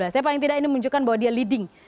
tapi paling tidak ini menunjukkan bahwa dia leading